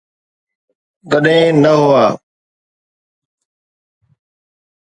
تڏهن نه هئا.